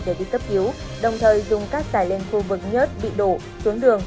để bị cấp cứu đồng thời dùng các xài lên khu vực nhớt bị đổ xuống đường